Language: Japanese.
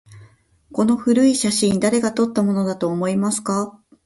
この古い写真、誰が撮ったものだと思いますか？